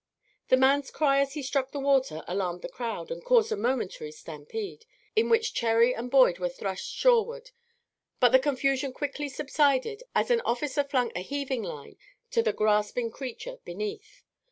The man's cry as he struck the water alarmed the crowd and caused a momentary stampede, in which Cherry and Boyd were thrust shoreward; but the confusion quickly subsided, as an officer flung a heaving line to the gasping creature beneath.